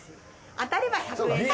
あたれば１００円の。